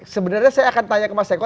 sebenarnya saya akan tanya ke mas eko